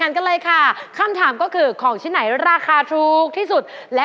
สมมุติเป็นพระเอกดังเขาก็จะรู้สึกว่า